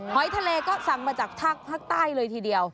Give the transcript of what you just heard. หอยทะเลก็สั่งมาจากภาคใต้เลยทีเดียว